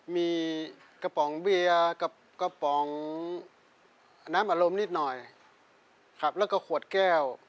มีกระป๋องเบียร์กับกระป๋องน้ำอารมณ์นิดหน่อยครับแล้วก็ขวดแก้ว